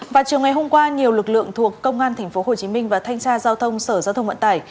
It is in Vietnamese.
vào chiều ngày hôm qua nhiều lực lượng thuộc công an tp hcm và thanh tra giao thông sở giao thông vận tải